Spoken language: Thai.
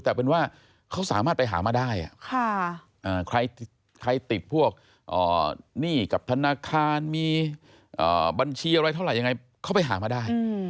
แต่เป็นว่าเขาสามารถไปหามาได้ใครติดพวกหนี้กับธนาคารมีบัญชีอะไรเท่าไหร่ยังไงเขาไปหามาได้